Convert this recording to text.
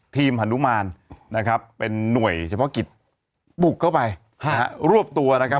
ฮานุมานนะครับเป็นหน่วยเฉพาะกิจบุกเข้าไปรวบตัวนะครับ